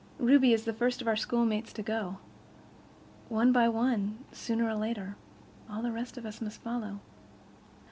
"Ruby is the first of our schoolmates to go. One by one, sooner or later, all the rest of us must follow."